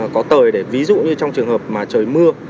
có tời để ví dụ như trong trường hợp mà trời mưa